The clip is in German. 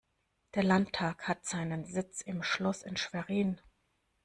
Der Landtag hat seinen Sitz im Schloß in Schwerin.